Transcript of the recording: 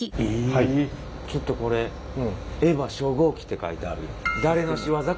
ちょっとこれ「ＥＶＡ初号機」って書いてある。